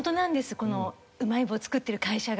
このうまい棒を作ってる会社が。